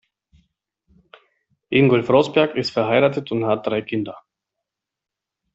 Ingolf Roßberg ist verheiratet und hat drei Kinder.